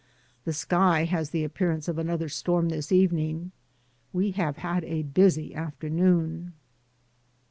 The sky has the appearance of another storm this evening. We have had a busy afternoon.